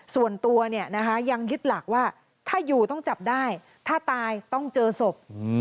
ส่วนตัวยังยึดหลักว่าถ้าอยู่ต้องจับได้ถ้าตายต้องเจอศพ